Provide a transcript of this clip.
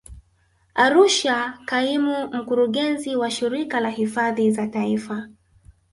Arusha Kaimu Mkurugenzi wa Shirika la hifadhi za Taifa